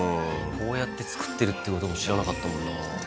こうやって作ってるってことも知らなかったもんな